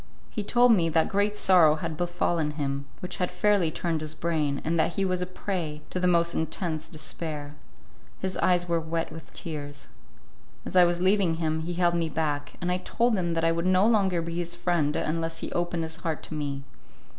He told me that great sorrow had befallen him, which had fairly turned his brain, and that he was a prey to the most intense despair. His eyes were wet with tears. As I was leaving him, he held me back, and I told him that I would no longer be his friend unless he opened his heart to me.